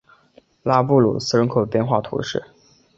拉布鲁斯人口变化图示